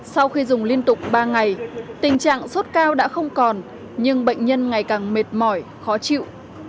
sau khi dùng liên tục ba ngày tình trạng sốt cao đã không còn nhưng bệnh nhân ngày càng mệt mỏi khó chịu